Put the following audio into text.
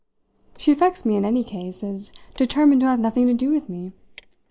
She affects me, in any case, as determined to have nothing to do with me.